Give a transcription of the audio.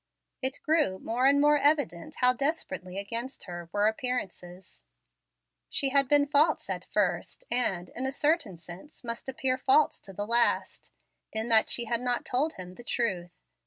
It grew more and more evident how desperately against her were appearances. She had been false at first, and, in a certain sense, must appear false to the last, in that she had not told him the truth.